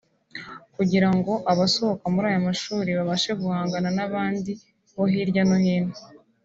kugira ngo abasohoka muri aya mashuri babashe guhangana n’abandi bo hirya no hino